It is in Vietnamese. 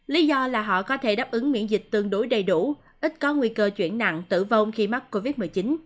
lý do là họ có thể đáp ứng miễn dịch tương đối đầy đủ ít có nguy cơ chuyển nặng tử vong khi mắc covid một mươi chín